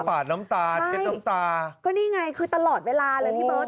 ปาดน้ำตาเช็ดน้ำตาก็นี่ไงคือตลอดเวลาเลยพี่เบิร์ต